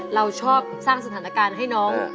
เราชอบสร้างสถานการณ์ให้น้อง